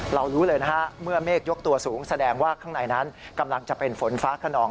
รู้เลยนะฮะเมื่อเมฆยกตัวสูงแสดงว่าข้างในนั้นกำลังจะเป็นฝนฟ้าขนอง